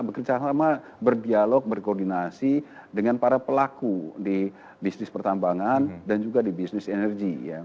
bekerja sama berdialog berkoordinasi dengan para pelaku di bisnis pertambangan dan juga di bisnis energi